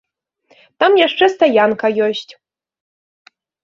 Там яшчэ стаянка ёсць.